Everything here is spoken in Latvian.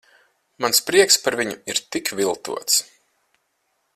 Mans prieks par viņu ir tik viltots.